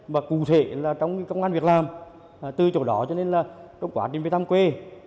và cụ thể là trong công an việc làm từ chỗ đó cho nên là trong quá trình về thăm quê